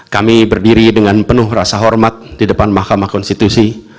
kami berdiri dengan penuh rasa hormat di depan mahkamah konstitusi